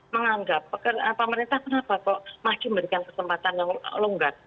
menganggap pemerintah kenapa kok maju memberikan kesempatan yang longgar